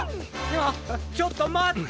あっちょっとまって！